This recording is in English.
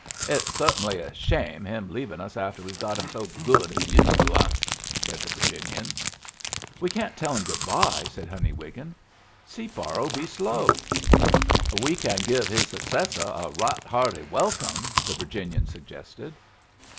"It's certainly a shame him leaving after we've got him so good and used to us," said the Virginian. "We can't tell him good bye," said Honey Wiggin. "Separ'll be slow." "We can give his successor a right hearty welcome," the Virginian suggested.